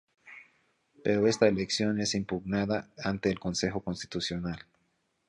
Pero esta elección es impugnada ante el Consejo Constitucional.